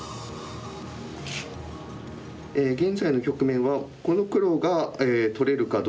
現在の局面はこの黒が取れるかどうか。